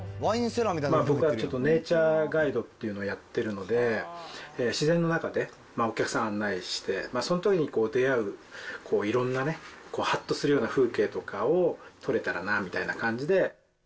僕はちょっとネイチャーガイドというのをやっているので、自然の中でお客さんを案内して、そのときに出会ういろんなね、はっとするような風景とかを撮れたらなみたいな感じで。